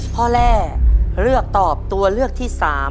แร่เลือกตอบตัวเลือกที่๓